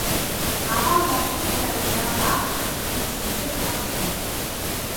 Гаваа мордсон даруйдаа баахан хатируулж нэлээд хол явав.